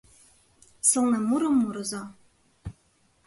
Сылне мурым мурыза.